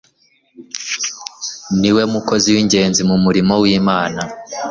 ni we mukozi w'ingenzi mu murimo w'Imana.